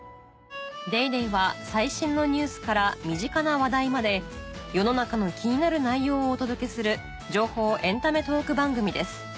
『ＤａｙＤａｙ．』は最新のニュースから身近な話題まで世の中の気になる内容をお届けする情報エンタメトーク番組です